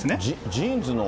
ジーンズの。